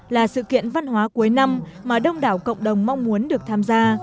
là sự kiện văn hóa cuối năm mà đông đảo cộng đồng mong muốn được tham gia